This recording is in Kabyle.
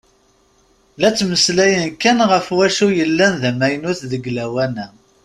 La ttmeslayen kan ɣef wacu yellan d amaynut deg lawan-a.